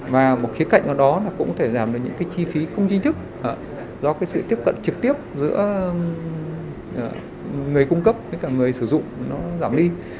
và một khía cạnh nào đó cũng có thể giảm được những cái chi phí không chính thức do cái sự tiếp cận trực tiếp giữa người cung cấp với cả người sử dụng nó giảm đi